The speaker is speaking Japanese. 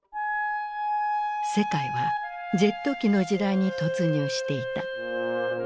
世界はジェット機の時代に突入していた。